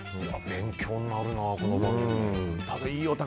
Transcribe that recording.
勉強になるな、この番組。